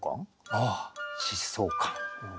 ああ疾走感。